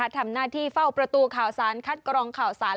ทำหน้าที่เฝ้าประตูข่าวสารคัดกรองข่าวสาร